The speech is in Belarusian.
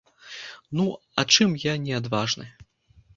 Ну, а чым я не адважны?